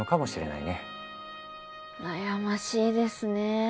悩ましいですね。